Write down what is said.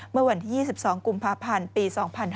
เมื่อวันที่๒๒กุมภาพันธ์ปี๒๕๕๙